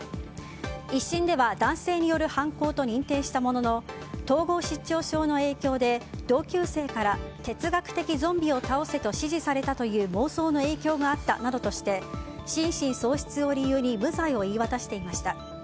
１審では男性による犯行と認定したものの統合失調症の影響で同級生から哲学的ゾンビを倒せと指示されたという妄想の影響があったなどとして心神喪失を理由に無罪を言い渡していました。